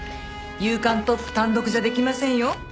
『夕刊トップ』単独じゃできませんよ。